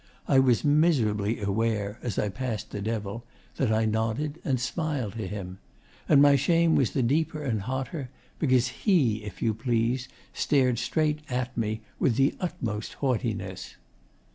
I was miserably aware, as I passed the Devil, that I nodded and smiled to him. And my shame was the deeper and hotter because he, if you please, stared straight at me with the utmost haughtiness.